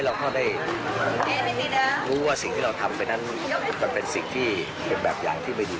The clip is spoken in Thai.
เราก็รู้ว่าสิ่งที่เราได้ทำเนี่ยอย่างไร้ก็ได้